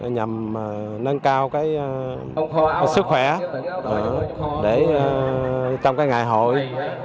nhằm nâng cao sức khỏe trong ngày hội